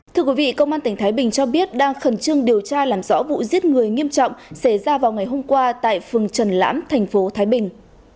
thưa quý vị công an tỉnh thái bình cho biết đang khẩn trương điều tra làm rõ vụ giết người nghiêm trọng xảy ra vào ngày hôm qua tại phường trần lãm thành phố thái bình